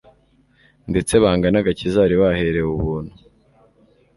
ndetse banga n'agakiza bari baherewe ubuntu.